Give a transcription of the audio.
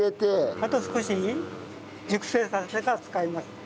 あと少し熟成させてから使います。